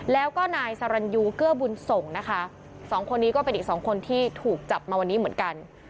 แล้วก็นายสรรยูเกื้อบุญส่งนะคะสองคนนี้ก็เป็นอีกสองคนที่ถูกจับมาวันนี้เหมือนกัน